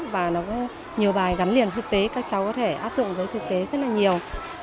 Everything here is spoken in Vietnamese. và nó có nhiều bài gắn liền thực tế các cháu có thể áp dụng với thực tế rất là nhiều